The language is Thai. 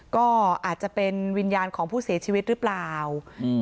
ก็อาจจะเป็นวิญญาณของผู้เสียชีวิตหรือเปล่าอืม